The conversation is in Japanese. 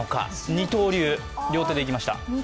二刀流、両手でいきました。